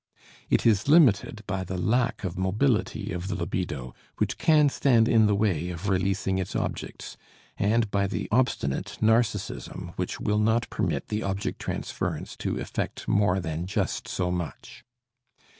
It is limited by the lack of mobility of the libido, which can stand in the way of releasing its objects, and by the obstinate narcism which will not permit the object transference to effect more than just so much.